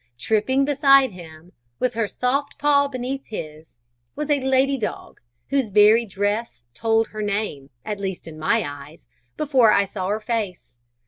Tripping beside him, with her soft paw beneath his, was a lady dog, whose very dress told her name, at least in my eyes, before I saw her face.